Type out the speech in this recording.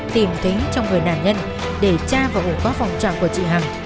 tìm thính trong người nạn nhân để tra vào ổ có phòng trọng của chị hằng